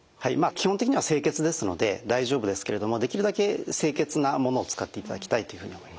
基本的には清潔ですので大丈夫ですけれどもできるだけ清潔なものを使っていただきたいというふうに思います。